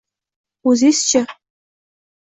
O’zizchi?